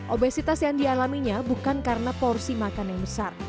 obesitas yang dialaminya bukan karena porsi makan yang besar